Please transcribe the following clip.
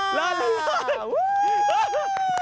หลานหลาน